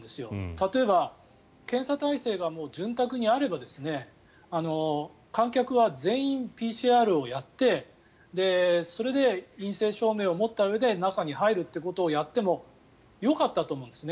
例えば、検査体制が潤沢にあれば観客は全員ＰＣＲをやってそれで陰性証明を持ったうえで中に入るということをやってもよかったと思うんですね。